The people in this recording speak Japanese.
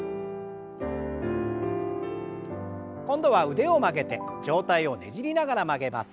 今度は腕を曲げて上体をねじりながら曲げます。